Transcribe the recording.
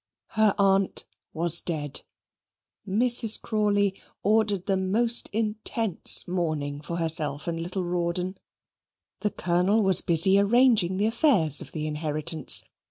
Her aunt was dead. Mrs. Crawley ordered the most intense mourning for herself and little Rawdon. The Colonel was busy arranging the affairs of the inheritance.